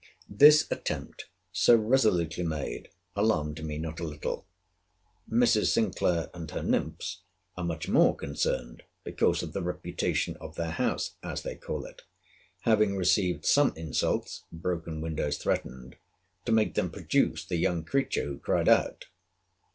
This attempt, so resolutely made, alarmed me not a little. Mrs. Sinclair and her nymphs, are much more concerned; because of the reputation of their house as they call it, having received some insults (broken windows threatened) to make them produce the young creature who cried out.